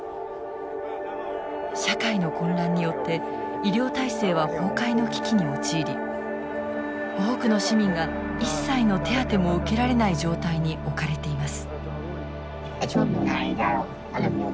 社会の混乱によって医療体制は崩壊の危機に陥り多くの市民が一切の手当ても受けられない状態に置かれています。